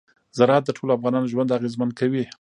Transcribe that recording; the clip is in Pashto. زراعت د ټولو افغانانو ژوند اغېزمن کوي.